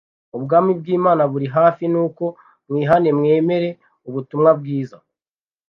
ubwami bw'Imana buri hafi. Nuko mwihane mwemere ubutumwa bwiza."